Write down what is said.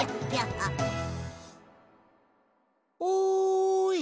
おい！